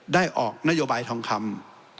ออกนโยบายทองคำ